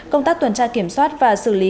công tác tuần tra kiểm soát và xử lý